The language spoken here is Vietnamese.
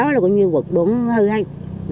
còn gió là cũng như quật buồn hơi hay